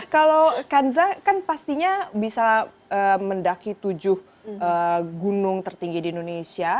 kalau kanza kan pastinya bisa mendaki tujuh gunung tertinggi di indonesia